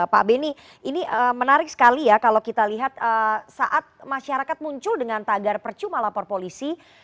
pak beni ini menarik sekali ya kalau kita lihat saat masyarakat muncul dengan tagar percuma lapor polisi